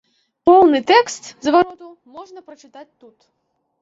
Поўны тэкст звароту можна прачытаць тут.